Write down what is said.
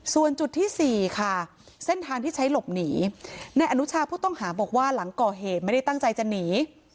ส่วนจุดที่๔ค่ะเส้นทางที่ใช้หลบหนีในอนุชาผู้ต้องหาบอกว่าหลังก่อเหตุไม่ได้ตั้งใจจะหนี